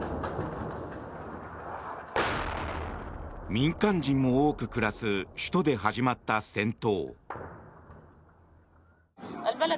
民間人も多く暮らす首都で始まった戦闘。